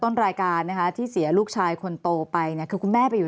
ต้นรายการนะคะที่เสียลูกชายคนโตไปเนี่ยคือคุณแม่ไปอยู่